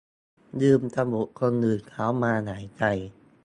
ยืมจมูกคนอื่นเขามาหายใจ